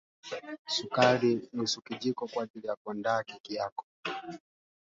Ugonjwa wa ndorobo huchukua muda mrefu kabla ya kifo